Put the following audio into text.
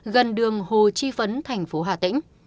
gần đường hồ chi phấn thành phố hà tĩnh